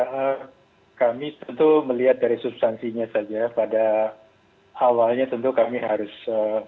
ya kami tentu melihat dari substansinya saja pada awalnya tentu kami harus